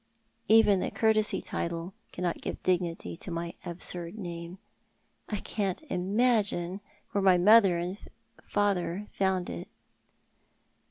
Even the couvtcsy title cannot give dignity to my absurd name. I can't imagine where my father and mother found it."